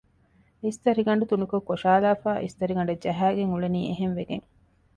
އިސްތަށިގަނޑު ތުނިކޮށް ކޮށައިލައިފައި އިސްތަށިގަނޑެއް ޖަހައިގެން އުޅެނީ އެހެންވެގެން